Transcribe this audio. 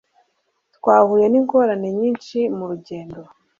Twahuye ningorane nyinshi murugendo.